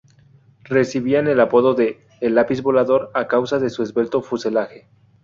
Recibían el apodo de "el lápiz volador" a causa de su esbelto fuselaje.